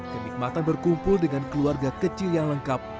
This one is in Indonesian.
kenikmatan berkumpul dengan keluarga kecil yang lengkap